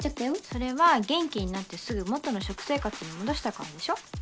それは元気になってすぐ元の食生活に戻したからでしょ